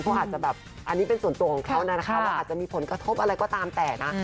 เขาอาจจะแบบอันนี้เป็นส่วนตัวของเขานะคะว่าอาจจะมีผลกระทบอะไรก็ตามแต่นะ